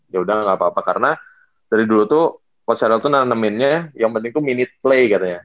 yaudah gak apa apa karena dari dulu tuh coach carel tuh nalaminnya yang penting tuh minute play katanya